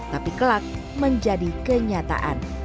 tapi kelak menjadi kenyataan